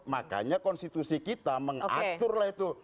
makanya konstitusi kita mengatur lah itu